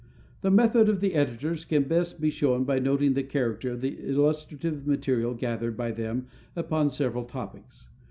The method of the editors can best be shown by noting the character of the illustrative material gathered by them upon several topics.